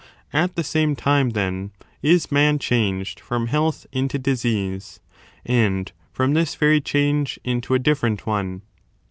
8. Thii point At the same time, then, is man changed from lUustrated. health into disease, and from this very change into a different one.